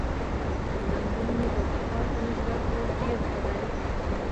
زنګون مې د پخوا په نسبت اوس ډېر ښه دی.